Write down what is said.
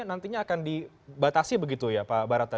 nantinya akan dibatasi begitu ya pak barata